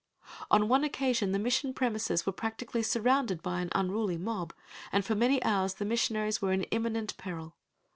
On one occasion the Mission premises were practically surrounded by an unruly mob and for many hours the missionaries were in imminent peril.